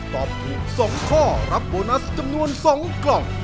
ตอบถูก๒ข้อรับโบนัสจำนวน๒กล่อง